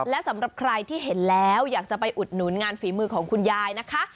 และสำหรับใครที่เห็นแล้วอยากจะไปอุดหนุนงานฝีมือของคุณยายนะคะ